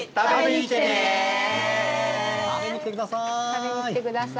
食べに来てください。